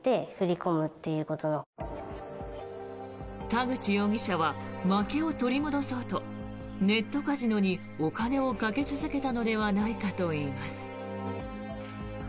田口容疑者は負けを取り戻そうとネットカジノにお金を賭け続けたのではないかといいます。